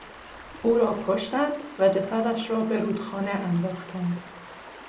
او را کشتند و جسدش را به رودخانه انداختند.